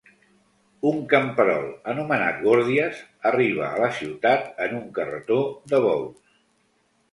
Un camperol anomenat Gordias arribà a la ciutat en un carretó de bous.